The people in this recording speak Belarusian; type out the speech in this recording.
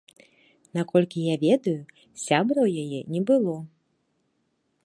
Наколькі я ведаю, сябра ў яе не было.